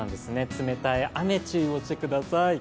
冷たい雨、注意してください。